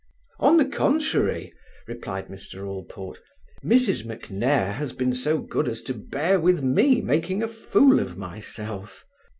"On the contrary," replied Mr. Allport, "Mrs. MacNair has been so good as to bear with me making a fool of myself."